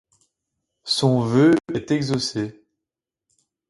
Son vœu est exaucé.